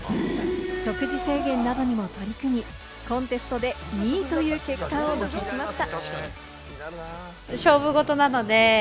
食事制限などにも取り組み、コンテストで２位という結果を得ました。